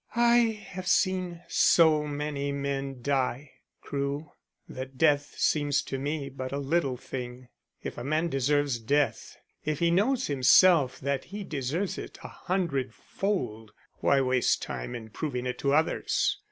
"I have seen so many men die, Crewe, that death seems to me but a little thing. If a man deserves death, if he knows himself that he deserves it a hundredfold, why waste time in proving it to others?